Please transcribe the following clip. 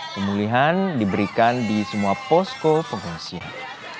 pemulihan diberikan di semua posko pengungsian